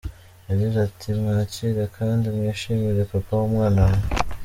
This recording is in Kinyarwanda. Yagize ati “Mwakire kandi mwishimire papa w’umwana wanjye”.